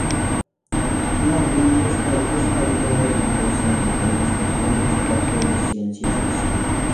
Larry Niven es autor de numerosas novelas y cuentos cortos de ciencia ficción.